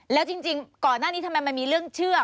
แล้วจริงก่อนหน้านี้ทำไมมันมีเรื่องเชื่อ